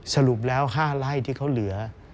สรุปแล้ว๕ไร่ที่เขาเหลือ